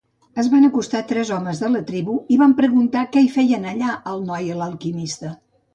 Es van acostar tres homes de la tribu i van preguntar què hi feien allà el noi i l'alquimista.